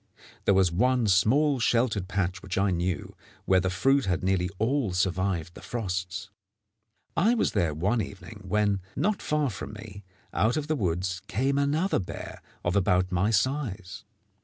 There was one small sheltered patch which I knew, where the fruit had nearly all survived the frosts. I was there one evening, when, not far from me, out of the woods came another bear of about my size.